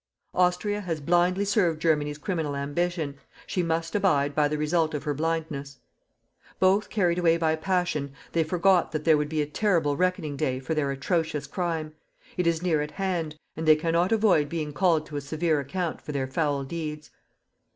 Austria has blindly served Germany's criminal ambition. She must abide by the result of her blindness. Both carried away by passion, they forgot that there would be a terrible reckoning day for their atrocious crime. It is near at hand, and they cannot avoid being called to a severe account for their foul deeds.